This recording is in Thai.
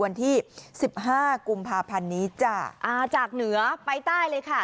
วันที่สิบห้ากุมภาพันธ์นี้จ้ะอ่าจากเหนือไปใต้เลยค่ะ